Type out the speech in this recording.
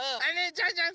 ジャンジャン